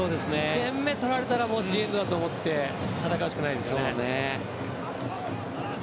２点目取られたらジ・エンドだと思って戦うしかないですね。